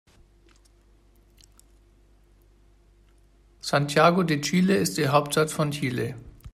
Santiago de Chile ist die Hauptstadt von Chile.